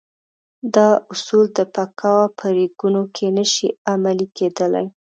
دا اصول د بکواه په ریګونو کې نه شي عملي کېدلای.